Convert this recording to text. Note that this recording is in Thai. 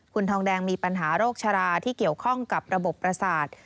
คุณทองแดงมีปัญหาโรคชะลาที่เกี่ยวข้องกับระบบประสาท